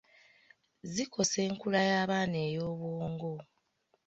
Zikosa enkula y’abaana ey’obwongo.